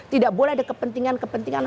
tidak boleh ada kepentingan kepentingan